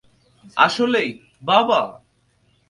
আসলেই, বাবা?